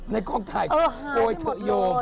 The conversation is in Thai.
ในกล้องถ่ายโกยเถอะโยมเออหายไปหมดเลย